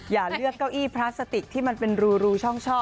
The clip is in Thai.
อย่าเลือกเก้าอี้พลาสติกที่มันเป็นรูช่องช่อ